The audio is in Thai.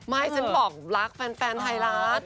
ไม่ฉันบอกรักแฟนไทยรัฐ